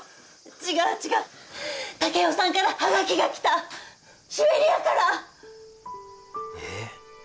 違う違う健雄さんからハガキが来たシベリアから！